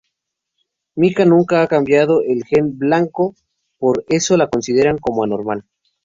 Mika nunca ha cambiado del gen "blanco" por eso la consideran como anormal.